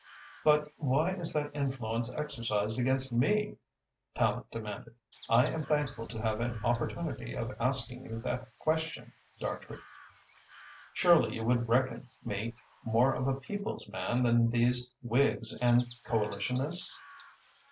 "But why is that influence exercised against me?" Tallente demanded. "I am thankful to have an opportunity of asking you that question, Dartrey. Surely you would reckon me more of a people's man than these Whigs and Coalitionists?"